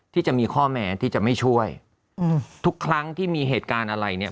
ที่จะมีข้อแม้ที่จะไม่ช่วยอืมทุกครั้งที่มีเหตุการณ์อะไรเนี่ย